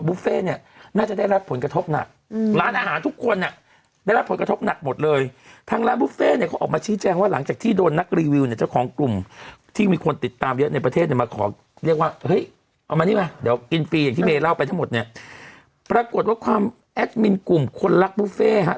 เฟ่เนี่ยน่าจะได้รับผลกระทบหนักอืมร้านอาหารทุกคนอ่ะได้รับผลกระทบหนักหมดเลยทางร้านบุฟเฟ่เนี่ยเขาออกมาชี้แจงว่าหลังจากที่โดนนักรีวิวเนี่ยเจ้าของกลุ่มที่มีคนติดตามเยอะในประเทศเนี่ยมาขอเรียกว่าเฮ้ยเอามานี่มาเดี๋ยวกินฟรีอย่างที่เมย์เล่าไปทั้งหมดเนี่ยปรากฏว่าความแอดมินกลุ่มคนรักบุฟเฟ่ฮะ